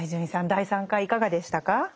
第３回いかがでしたか？